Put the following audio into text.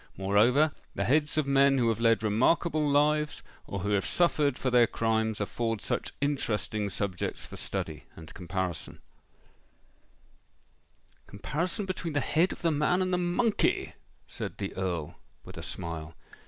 Moreover, the heads of men who have led remarkable lives, or who have suffered for their crimes, afford such interesting subjects for study and comparison——" "Comparison between the head of the man and the monkey!" said the Earl with a smile.